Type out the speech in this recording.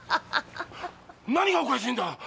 何がおかしいんだ！